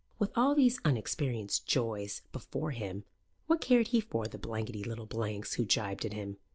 With all these unexperienced joys before him, what cared he for the blankety little blanks who gibed at him?